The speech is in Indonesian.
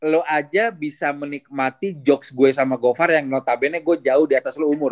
lu aja bisa menikmati jokes gue sama go far yang notabene gue jauh lebih